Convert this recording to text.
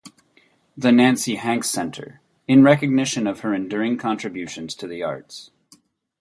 The Nancy Hanks Center, in recognition of her enduring contributions to the arts.